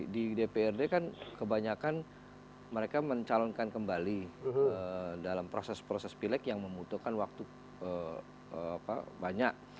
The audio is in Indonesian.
di dprd kan kebanyakan mereka mencalonkan kembali dalam proses proses pilek yang membutuhkan waktu banyak